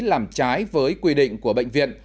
làm trái với quy định của bệnh viện